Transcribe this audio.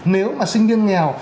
nếu mà sinh viên nghèo